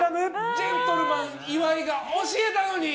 ジェントルマン岩井が教えたのに！